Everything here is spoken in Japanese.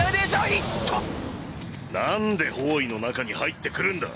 なんで包囲の中に入ってくるんだ。